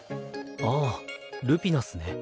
ああルピナスね。